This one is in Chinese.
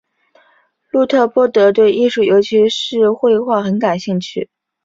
路特波德对艺术尤其是绘画很感兴趣。